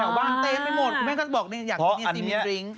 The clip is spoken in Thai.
แถวบ้างเต็มไปหมดแม่งก็จะบอกอยากกินการนิดหนึ่ง